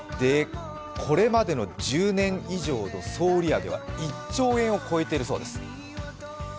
これまでの１０年以上の総売上は１兆円を超えているそうです。